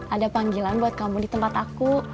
ada panggilan buat kamu di tempat aku